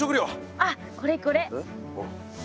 あっこれこれ。